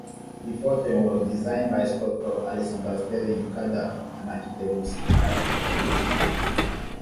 The fountain was designed by sculptor Alexander Stirling Calder and architect Wilson Eyre.